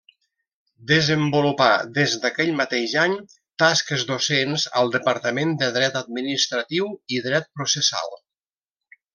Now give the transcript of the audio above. Desenvolupà, des d'aquell mateix any, tasques docents al departament de Dret Administratiu i Dret Processal.